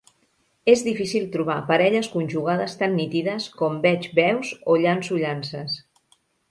És difícil trobar parelles conjugades tan nítides com veig veus o llanço llances.